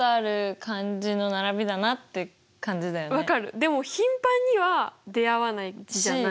でも頻繁には出会わない字じゃない？